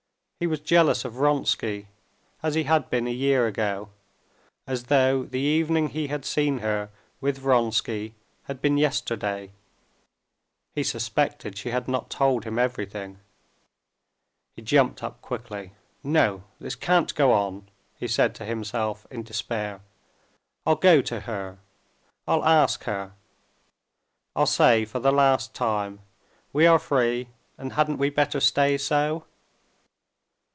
He was jealous of Vronsky, as he had been a year ago, as though the evening he had seen her with Vronsky had been yesterday. He suspected she had not told him everything. He jumped up quickly. "No, this can't go on!" he said to himself in despair. "I'll go to her; I'll ask her; I'll say for the last time: we are free, and hadn't we better stay so?